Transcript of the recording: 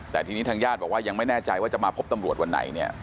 แต่ทีนี้ทางญาติบอกว่ายังไม่แน่ใจว่าจะมาพบตำรวจวันไหนเนี่ย